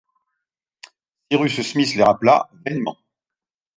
Cyrus Smith les rappela, vainement